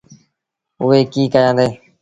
اُئي ڪيٚ ڪيآندي۔